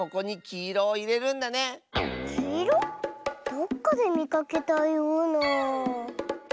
どっかでみかけたような。